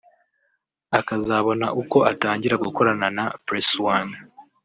akazabona uko atangira gukorana na PressOne